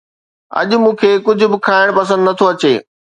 اڄ مون کي ڪجهه به کائڻ پسند نه ٿو اچي